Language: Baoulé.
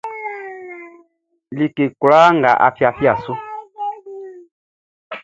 Like kloi nʼga fia fai su.